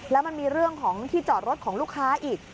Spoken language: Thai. แล้วมันมีเรื่องของที่จอดรถของลูกค้าอีก